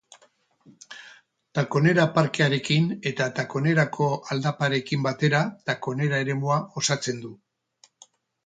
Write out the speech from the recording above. Takonera parkearekin eta Takonerako aldaparekin batera, Takonera eremua osatzen du.